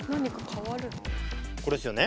これっすよね。